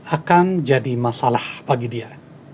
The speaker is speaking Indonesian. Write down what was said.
akan jadi masalah bagi dia